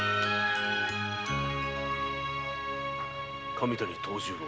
“神谷藤十郎”。